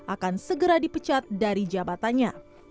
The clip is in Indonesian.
akan segera dipecat dari jabatannya